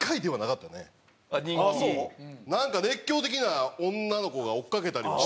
なんか熱狂的な女の子が追っかけたりはしてたんですよ。